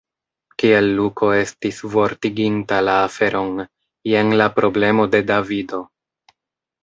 Kiel Luko estis vortiginta la aferon – jen la problemo de Davido.